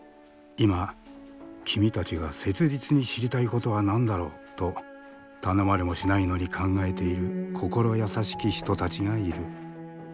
「今君たちが切実に知りたいことは何だろう？」と頼まれもしないのに考えている心優しき人たちがいる。